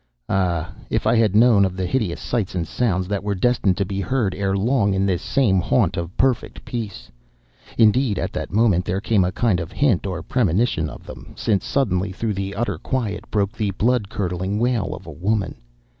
"Ah! if I had known of the hideous sights and sounds that were destined to be heard ere long in this same haunt of perfect peace! Indeed, at that moment there came a kind of hint or premonition of them, since suddenly through the utter quiet broke the blood curdling wail of a woman.